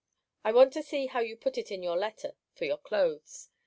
I want to see how you put it in your letter for your clothes.